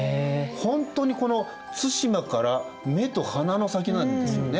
ほんとにこの対馬から目と鼻の先なんですよね。